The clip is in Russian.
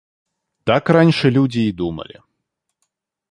Так раньше люди и думали.